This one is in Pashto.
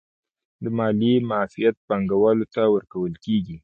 د مالیې معافیت پانګوالو ته ورکول کیږي